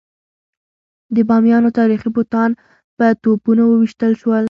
د بامیانو تاریخي بوتان په توپونو وویشتل شول.